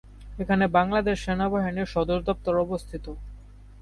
এখানে বাংলাদেশ সেনাবাহিনীর সদর দপ্তর অবস্থিত।